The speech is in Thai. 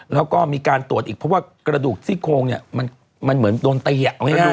แล้วก็มีการตรวจอีกเพราะว่ากระดูกซี่โครงเนี่ยมันเหมือนโดนตีเอาง่าย